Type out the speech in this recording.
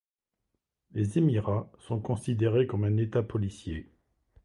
Les Émirats sont considérés comme un État policier.